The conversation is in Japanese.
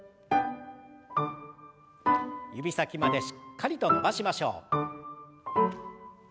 指先までしっかりと伸ばしましょう。